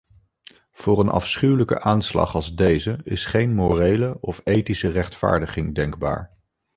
Voor een afschuwelijke aanslag als deze is geen morele of ethische rechtvaardiging denkbaar.